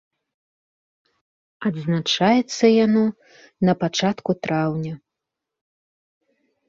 Адзначаецца яно на пачатку траўня.